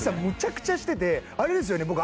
むちゃくちゃしててあれですよね？